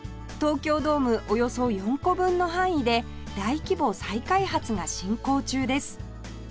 東京ドームおよそ４個分の範囲で大規模再開発が進行中です